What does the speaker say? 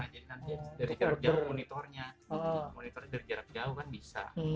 jadi nanti dari jarak jauh monitornya monitor dari jarak jauh kan bisa